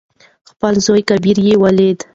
خپل زوى کبير يې ولېد.